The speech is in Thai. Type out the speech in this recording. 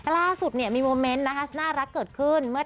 นานสุดเนี้ยมีมดนะฮะน่ารักเกิดขึ้น